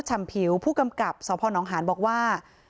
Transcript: ฉ่ำผิวผู้กำกับสพนหานบอกว่า